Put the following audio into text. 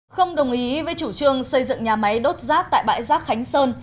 không đồng ý với chủ trương xây dựng nhà máy đốt rác tại bãi rác khánh sơn